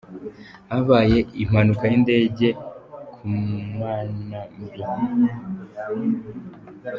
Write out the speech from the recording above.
"Habaye impanuka y'indege ku Mana mbi.